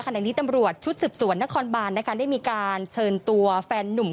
ในนี้ตำรวจชุดสืบสวนนครบานนะคะได้มีการเชิญตัวแฟนนุ่ม